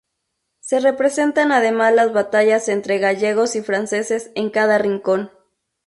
Se representan además las batallas entre gallegos y franceses en cada rincón.